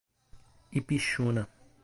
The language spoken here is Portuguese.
Ipixuna